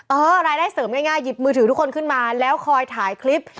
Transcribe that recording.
รายได้เสริมง่ายหยิบมือถือทุกคนขึ้นมาแล้วคอยถ่ายคลิป